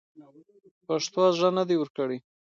پښتنو زړه نه دی ورکړی.